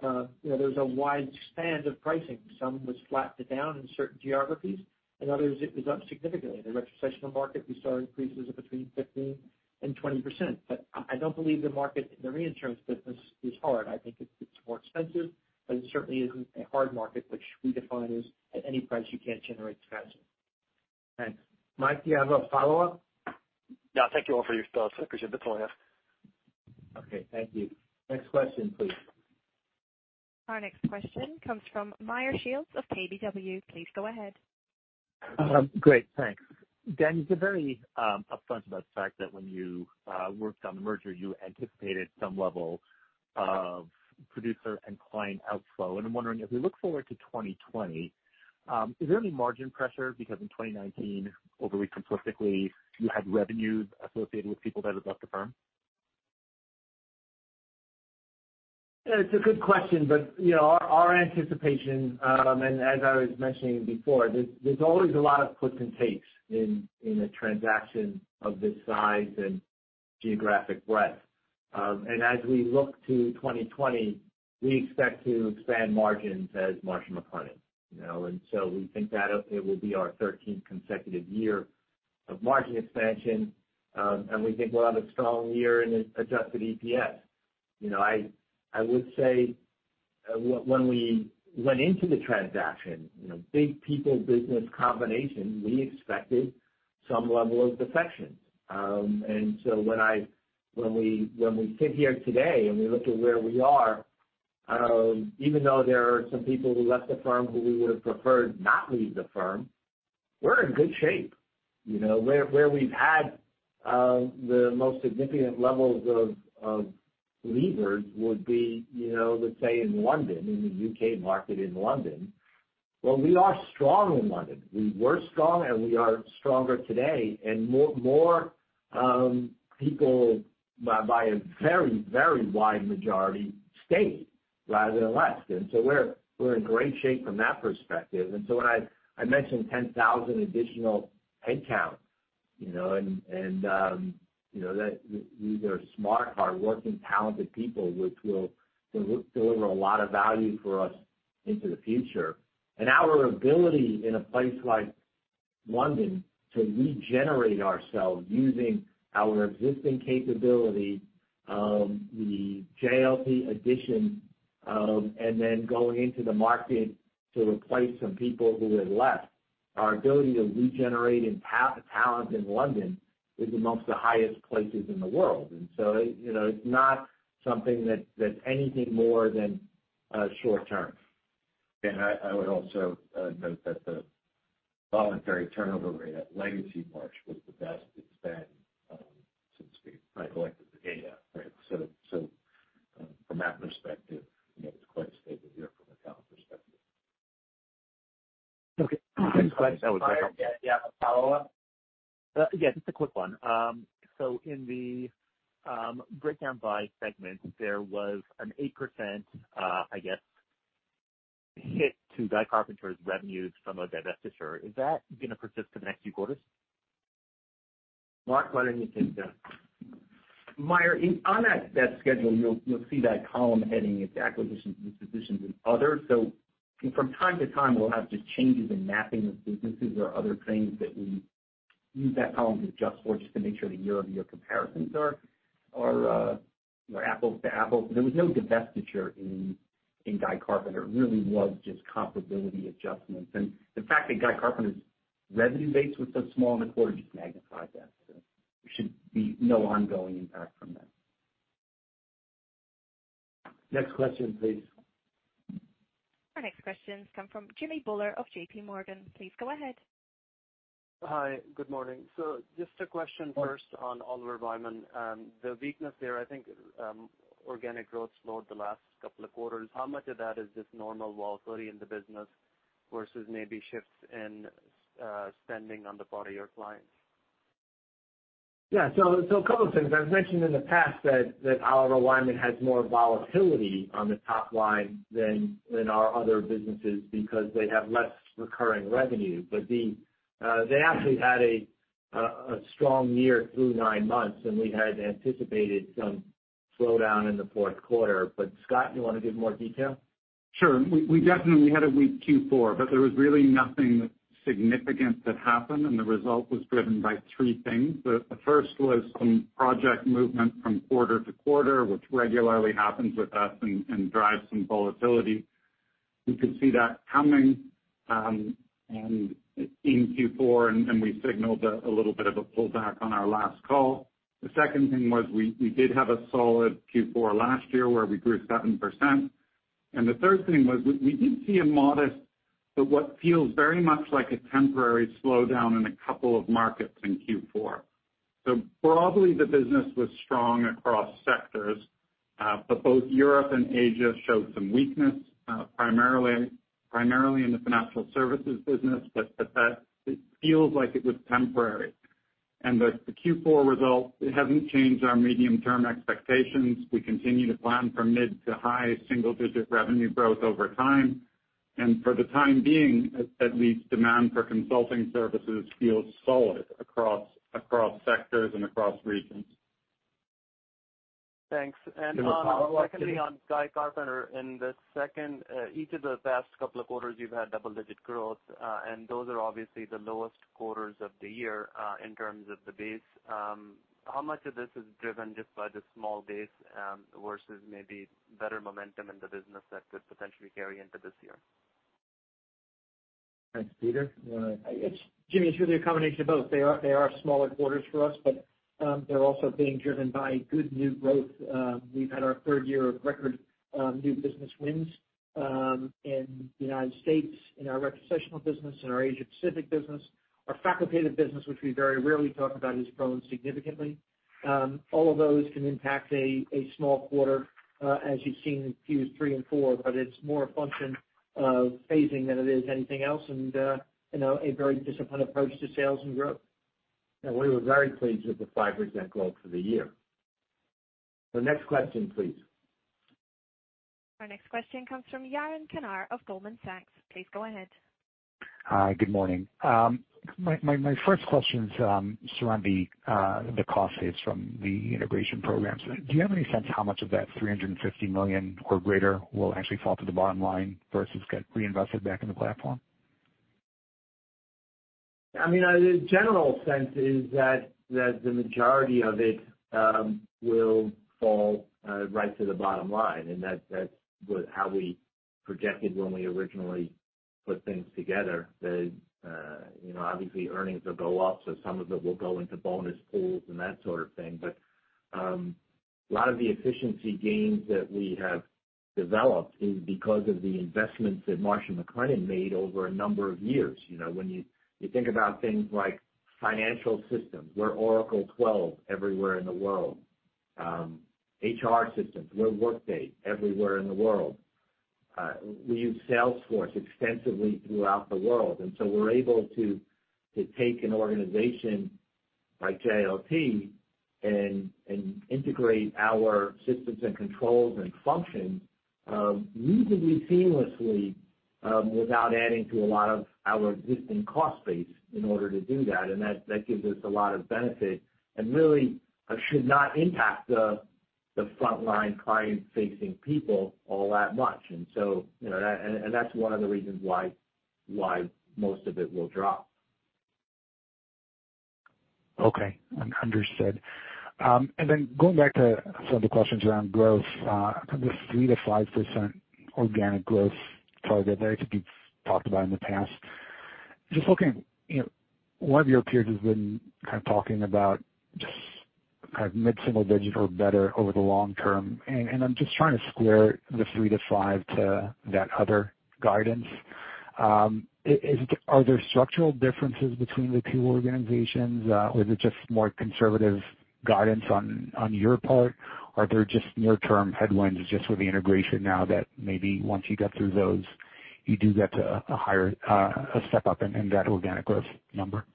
There's a wide span of pricing. Some was flat to down in certain geographies and others it was up significantly. The retrocessional market, we saw increases of between 15%-20%, I don't believe the market in the reinsurance business is hard. I think it's more expensive, it certainly isn't a hard market, which we define as at any price you can't generate capacity. Thanks. Mike, do you have a follow-up? Yeah. Thank you all for your thoughts. I appreciate the time. Okay, thank you. Next question, please. Our next question comes from Meyer Shields of KBW. Please go ahead. Great, thanks. Dan, you've been very upfront about the fact that when you worked on the merger, you anticipated some level of producer and client outflow. I'm wondering, as we look forward to 2020, is there any margin pressure? Because in 2019, overweighing simplistically, you had revenues associated with people that had left the firm. It's a good question, but our anticipation, and as I was mentioning before, there's always a lot of puts and takes in a transaction of this size and geographic breadth. As we look to 2020, we expect to expand margins as Marsh McLennan. So we think that it will be our 13th consecutive year of margin expansion, and we think we'll have a strong year in adjusted EPS. I would say when we went into the transaction, big people business combination, we expected some level of defections. So when we sit here today, and we look at where we are, even though there are some people who left the firm who we would have preferred not leave the firm, we're in good shape. Where we've had the most significant levels of leavers would be, let's say, in London, in the U.K. market in London. Well, we are strong in London. We were strong, and we are stronger today, and more people by a very wide majority stayed rather than left. So we're in great shape from that perspective. So when I mentioned 10,000 additional headcounts, and that these are smart, hardworking, talented people, which will deliver a lot of value for us into the future. Our ability in a place like London to regenerate ourselves using our existing capability, the JLT addition, and then going into the market to replace some people who have left, our ability to regenerate talent in London is amongst the highest places in the world. So it's not something that's anything more than short-term. I would also note that the voluntary turnover rate at legacy Marsh was the best it's been since we collected the data. Right. From that perspective, it's quite a stable year from a talent perspective. Okay. Next question. Meyer, do you have a follow-up? Yeah, just a quick one. In the breakdown by segment, there was an 8%, I guess, hit to Guy Carpenter's revenues from a divestiture. Is that going to persist for the next few quarters? Mark, why don't you take that? Meyer, on that schedule, you'll see that column heading, it's acquisitions, dispositions, and other. From time to time, we'll have just changes in mapping of businesses or other things that we use that column to adjust for, just to make sure the year-over-year comparisons are apples to apples. There was no divestiture in Guy Carpenter. It really was just comparability adjustments. The fact that Guy Carpenter's revenue base was so small in the quarter just magnified that. There should be no ongoing impact from that. Next question, please. Our next question comes from Jimmy Bhullar of J.P. Morgan. Please go ahead. Hi. Good morning. Just a question first on Oliver Wyman. The weakness there, I think, organic growth slowed the last couple of quarters. How much of that is just normal volatility in the business versus maybe shifts in spending on the part of your clients? A couple of things. I've mentioned in the past that Oliver Wyman has more volatility on the top line than our other businesses because they have less recurring revenue. They actually had a strong year through nine months, and we had anticipated some slowdown in the fourth quarter. Scott, you want to give more detail? Sure. We definitely had a weak Q4, but there was really nothing significant that happened, and the result was driven by three things. The first was some project movement from quarter to quarter, which regularly happens with us and drives some volatility. We could see that coming, and in Q4, and we signaled a little bit of a pullback on our last call. The second thing was we did have a solid Q4 last year where we grew 7%. The third thing was we did see a modest, but what feels very much like a temporary slowdown in a couple of markets in Q4. Broadly, the business was strong across sectors. Both Europe and Asia showed some weakness, primarily in the financial services business. It feels like it was temporary. The Q4 results, it hasn't changed our medium-term expectations. We continue to plan for mid to high single-digit revenue growth over time. For the time being, at least, demand for consulting services feels solid across sectors and across regions. Thanks. Secondly, on Guy Carpenter, in the second, each of the past couple of quarters, you've had double-digit growth. Those are obviously the lowest quarters of the year in terms of the base. How much of this is driven just by the small base versus maybe better momentum in the business that could potentially carry into this year? Thanks, Peter. Jimmy, it's really a combination of both. They are smaller quarters for us, but they're also being driven by good new growth. We've had our third year of record new business wins, in the U.S., in our retrocessional business, in our Asia-Pacific business. Our facultative business, which we very rarely talk about, has grown significantly. All of those can impact a small quarter, as you've seen in Q3 and four, but it's more a function of phasing than it is anything else, and a very disciplined approach to sales and growth. We were very pleased with the 5% growth for the year. The next question, please. Our next question comes from Yaron Kinar of Goldman Sachs. Please go ahead. Hi. Good morning. My first question is around the cost saves from the integration programs. Do you have any sense how much of that $350 million or greater will actually fall to the bottom line versus get reinvested back in the platform? The general sense is that the majority of it will fall right to the bottom line. That's how we projected when we originally put things together. Obviously earnings will go up, so some of it will go into bonus pools and that sort of thing. A lot of the efficiency gains that we have developed is because of the investments that Marsh & McLennan made over a number of years. When you think about things like financial systems, we're Oracle 12 everywhere in the world. HR systems, we're Workday everywhere in the world. We use Salesforce extensively throughout the world. We're able to take an organization like JLT and integrate our systems and controls and functions reasonably seamlessly, without adding to a lot of our existing cost base in order to do that. That gives us a lot of benefit and really should not impact the frontline client-facing people all that much. That's one of the reasons why most of it will drop. Okay. Understood. Going back to some of the questions around growth, the 3%-5% organic growth target there that you've talked about in the past. One of your peers has been kind of talking about just mid-single digits or better over the long term. I'm just trying to square the 3-5 to that other guidance. Are there structural differences between the two organizations, or is it just more conservative guidance on your part? Are there just near-term headwinds just with the integration now that maybe once you get through those, you do get to a step up in that organic growth number?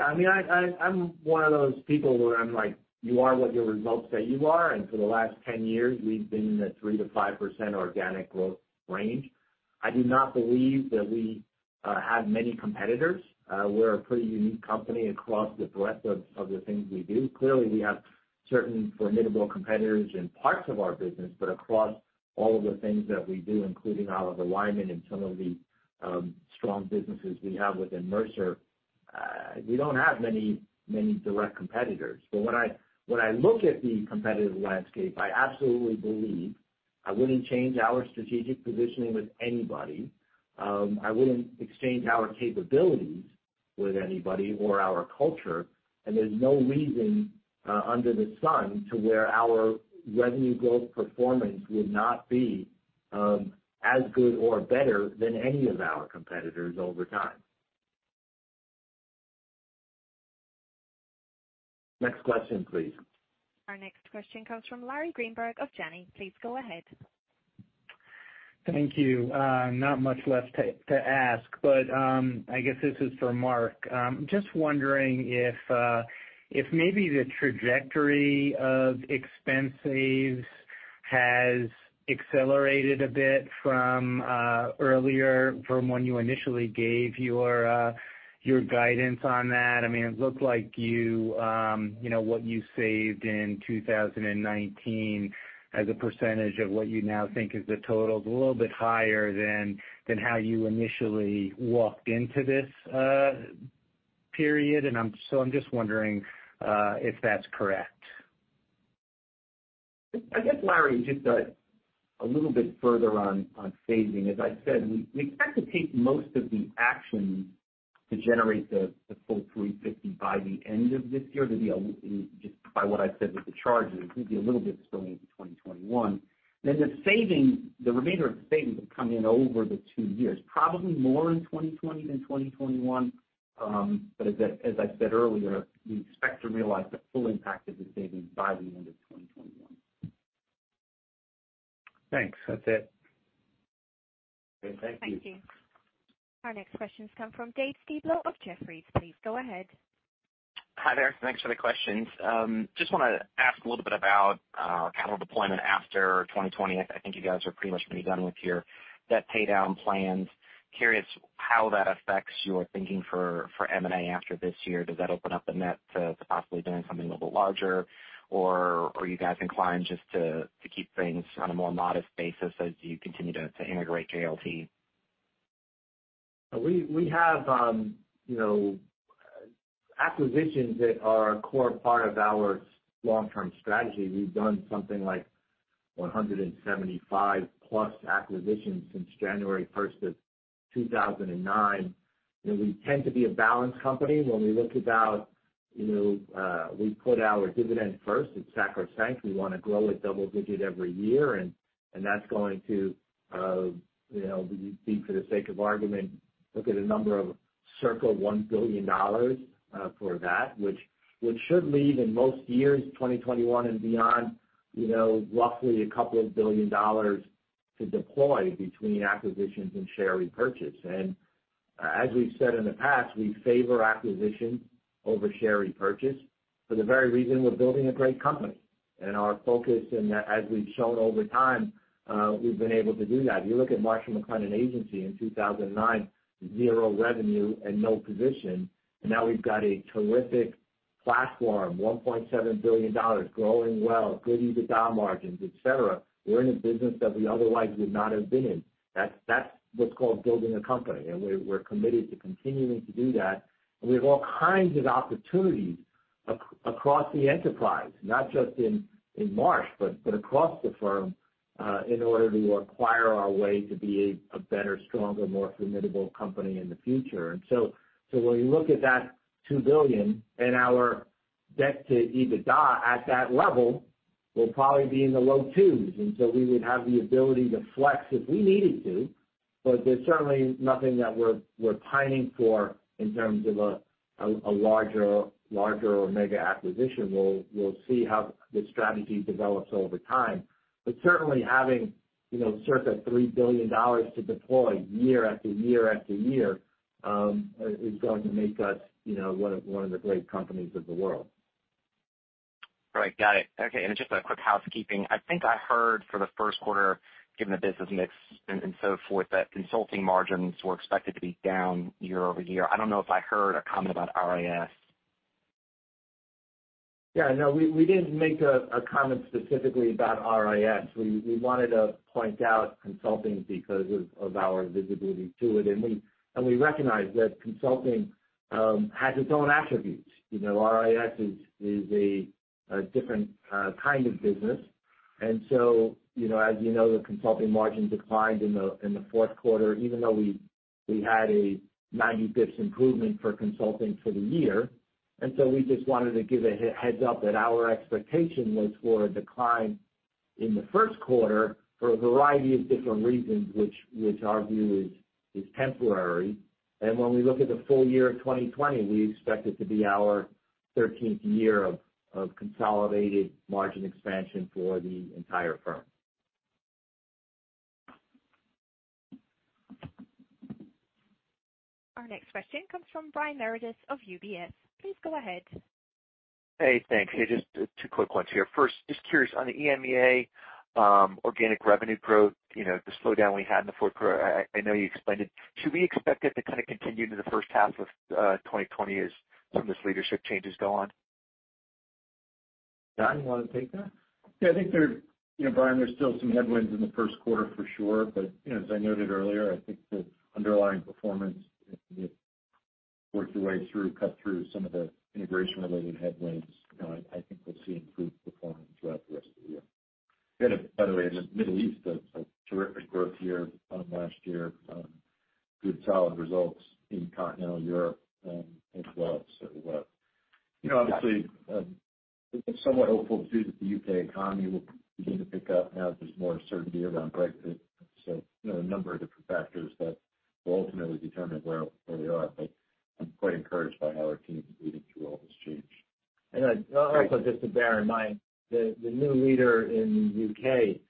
I'm one of those people where I'm like, you are what your results say you are. For the last 10 years, we've been in a 3%-5% organic growth range. I do not believe that we have many competitors. We're a pretty unique company across the breadth of the things we do. Clearly, we have certain formidable competitors in parts of our business, but across all of the things that we do, including Oliver Wyman and some of the strong businesses we have within Mercer, we don't have many direct competitors. When I look at the competitive landscape, I absolutely believe I wouldn't change our strategic positioning with anybody. I wouldn't exchange our capabilities with anybody or our culture. There's no reason under the sun to where our revenue growth performance would not be as good or better than any of our competitors over time. Next question, please. Our next question comes from Larry Greenberg of Janney. Please go ahead. Thank you. Not much left to ask, but I guess this is for Mark. Just wondering if maybe the trajectory of expense saves has accelerated a bit from earlier from when you initially gave your guidance on that. It looked like what you saved in 2019 as a percentage of what you now think is the total is a little bit higher than how you initially walked into this period. I'm just wondering if that's correct. I guess, Larry, just a little bit further on phasing. As I said, we expect to take most of the actions to generate the full $350 by the end of this year. Just by what I've said with the charges, there may be a little bit spilling into 2021. The remainder of the savings will come in over the two years, probably more in 2020 than 2021. As I said earlier, we expect to realize the full impact of the savings by the end of 2021. Thanks. That's it. Okay. Thank you. Thank you. Our next questions come from Dave Styblo of Jefferies. Please go ahead. Hi there. Thanks for the questions. Just want to ask a little bit about capital deployment after 2020. I think you guys are pretty much going to be done with your debt paydown plans. Curious how that affects your thinking for M&A after this year. Does that open up the net to possibly doing something a little larger, or are you guys inclined just to keep things on a more modest basis as you continue to integrate JLT? We have acquisitions that are a core part of our long-term strategy. We have done something like 175-plus acquisitions since January 1st of 2009. We tend to be a balanced company when we look about. We put our dividend first. It is sacrosanct. We want to grow it double-digit every year, and that is going to be, for the sake of argument, look at a number of circa $1 billion for that, which should leave, in most years, 2021 and beyond, roughly a couple of billion dollars to deploy between acquisitions and share repurchase. As we have said in the past, we favor acquisition over share repurchase for the very reason we are building a great company. Our focus, and as we have shown over time, we have been able to do that. You look at Marsh & McLennan Agency in 2009, zero revenue and no position, and now we have got a terrific platform, $1.7 billion, growing well, good EBITDA margins, et cetera. We are in a business that we otherwise would not have been in. That is what is called building a company, and we are committed to continuing to do that. We have all kinds of opportunities across the enterprise, not just in Marsh, but across the firm, in order to acquire our way to be a better, stronger, more formidable company in the future. When we look at that $2 billion and our debt to EBITDA at that level, we will probably be in the low twos, and so we would have the ability to flex if we needed to. There is certainly nothing that we are pining for in terms of a larger or mega acquisition. Certainly having circa $3 billion to deploy year after year is going to make us one of the great companies of the world. Right. Got it. Okay. Just a quick housekeeping. I think I heard for the first quarter, given the business mix and so forth, that consulting margins were expected to be down year-over-year. I do not know if I heard a comment about RIS. Yeah, no, we didn't make a comment specifically about RIS. We wanted to point out consulting because of our visibility to it. We recognize that consulting has its own attributes. RIS is a different kind of business. As you know, the consulting margins declined in the fourth quarter, even though we had a 90 basis points improvement for consulting for the year. We just wanted to give a heads up that our expectation was for a decline in the first quarter for a variety of different reasons, which our view is temporary. When we look at the full year of 2020, we expect it to be our 13th year of consolidated margin expansion for the entire firm. Our next question comes from Brian Meredith of UBS. Please go ahead. Hey, thanks. Hey, just two quick ones here. First, just curious on the EMEA organic revenue growth, the slowdown we had in the fourth quarter, I know you explained it. Should we expect it to kind of continue into the first half of 2020 as some of these leadership changes go on? John, you want to take that? Yeah. I think there, Brian, there's still some headwinds in the first quarter for sure, but as I noted earlier, I think the underlying performance, as we work our way through, cut through some of the integration-related headwinds. I think we'll see improved performance throughout the rest of the year. We had, by the way, in the Middle East, a terrific growth year last year. Good solid results in continental Europe as well. Obviously, it's somewhat hopeful too that the U.K. economy will begin to pick up now that there's more certainty around Brexit. A number of different factors that will ultimately determine where we are, but I'm quite encouraged by how our team is leading through all this change. Also just to bear in mind, the new leader in the U.K.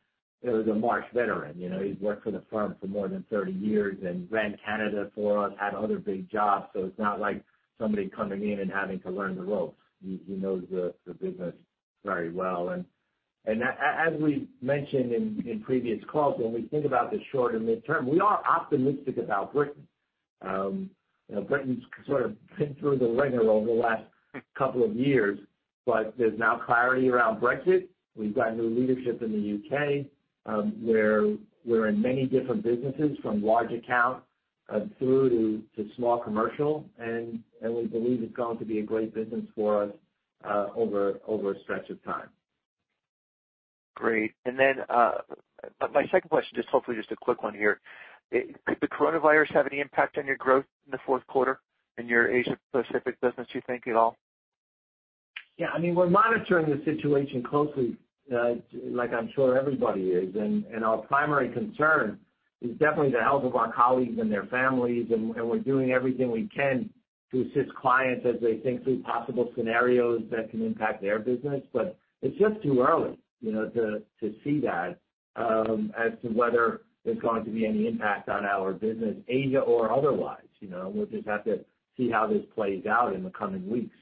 is a Marsh veteran. He's worked for the firm for more than 30 years and ran Canada for us, had other big jobs. It's not like somebody coming in and having to learn the ropes. He knows the business very well. As we mentioned in previous calls, when we think about the short and midterm, we are optimistic about Britain. Britain's sort of been through the wringer over the last couple of years, but there's now clarity around Brexit. We've got new leadership in the U.K. We're in many different businesses, from large account through to small commercial, and we believe it's going to be a great business for us over a stretch of time. Great. Then, my second question, just hopefully just a quick one here. Could the coronavirus have any impact on your growth in the fourth quarter in your Asia Pacific business, do you think, at all? Yeah, we're monitoring the situation closely, like I'm sure everybody is. Our primary concern is definitely the health of our colleagues and their families, and we're doing everything we can to assist clients as they think through possible scenarios that can impact their business. It's just too early to see that as to whether there's going to be any impact on our business, Asia or otherwise. We'll just have to see how this plays out in the coming weeks.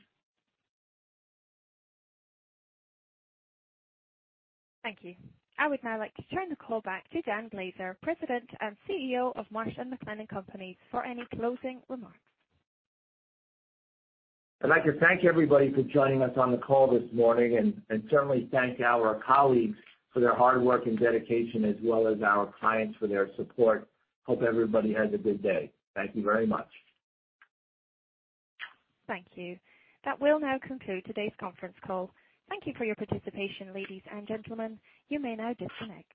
Thank you. I would now like to turn the call back to Dan Glaser, President and CEO of Marsh & McLennan Companies, for any closing remarks. I'd like to thank everybody for joining us on the call this morning, certainly thank our colleagues for their hard work and dedication, as well as our clients for their support. Hope everybody has a good day. Thank you very much. Thank you. That will now conclude today's conference call. Thank you for your participation, ladies and gentlemen. You may now disconnect.